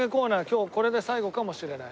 今日これで最後かもしれない。